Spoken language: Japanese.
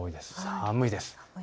寒いです。